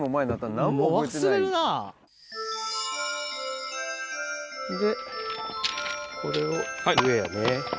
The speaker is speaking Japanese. んでこれを上やね。